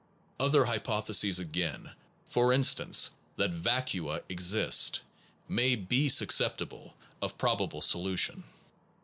Other hypotheses again, for instance that vacua exist, may be susceptible of probable solution.